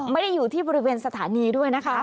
ไม่ได้อยู่ที่บริเวณสถานีด้วยนะคะ